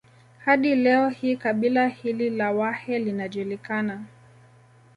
Hadi leo hii kabila hili la Wahee linajulikana